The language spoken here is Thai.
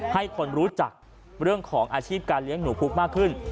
ให้คนรู้จักเรื่องของอาชีพการเลี้ยงหนูพุกมากขึ้น